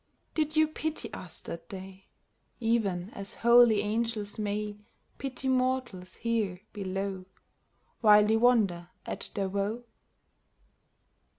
Did you pity us that day, Even as holy angels may Pity mortals here below, While they wonder at their woe